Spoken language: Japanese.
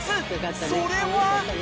［それは］